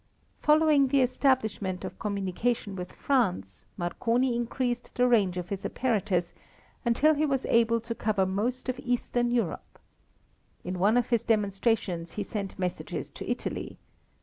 Following the establishment of communication with France, Marconi increased the range of his apparatus until he was able to cover most of eastern Europe. In one of his demonstrations he sent messages to Italy.